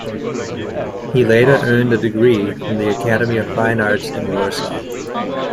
He later earned a degree from the Academy of Fine Arts in Warsaw.